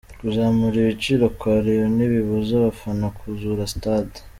Kuzamura ibiciro kwa Rayon ntibibuza abafana kuzura Stade.